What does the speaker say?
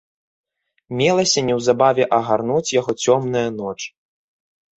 Мелася неўзабаве агарнуць яго цёмная ноч.